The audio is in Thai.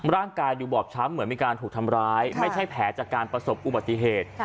ร่างกายดูบอบช้ำเหมือนมีการถูกทำร้ายไม่ใช่แผลจากการประสบอุบัติเหตุ